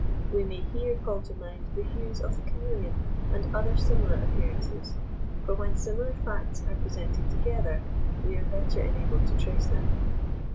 We may here call to mind the hues of the chameleon, and other similar appearances; for when similar facts are presented together, we are better enabled to trace them.